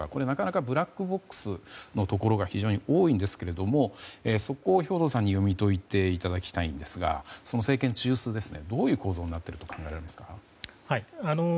なかなかブラックボックスなところが多いんですがそこを兵頭さんに読み解いていただきたいんですがその政権中枢、どういう構造になっていると考えられますか？